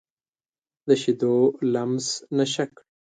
د شیدو لمس نشه کړي